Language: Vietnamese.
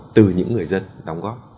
từ những người dân đóng góp